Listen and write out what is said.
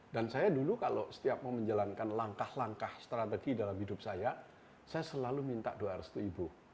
dan saya dulu kalau setiap mau menjalankan langkah langkah strategi dalam hidup saya saya selalu minta doa restu ibu